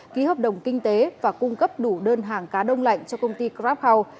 ký hợp đồng kinh tế và cung cấp đủ đơn hàng cá đông lạnh cho công ty crab how